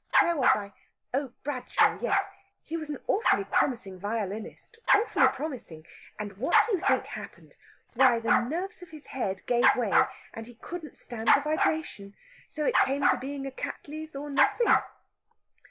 "Where was I? Oh, Bradshaw; yes. He was an awfully promising violinist awfully promising! And what do you think happened? Why, the nerves of his head gave way, and he couldn't stand the vibration! So it came to being Cattley's or nothing."